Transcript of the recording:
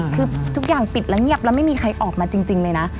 คือทุกอย่างปิดแล้วเงียบแล้วไม่มีใครออกมาจริงเลยนะ